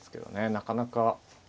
なかなか。